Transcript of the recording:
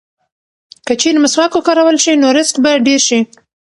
که چېرې مسواک وکارول شي نو رزق به ډېر شي.